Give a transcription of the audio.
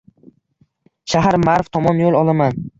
Shahar – Marv tomon yo‘l olaman.